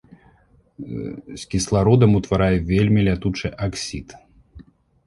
З кіслародам утварае вельмі лятучы аксід.